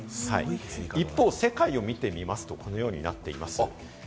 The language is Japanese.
一方、世界を見てみますと、このようになっています。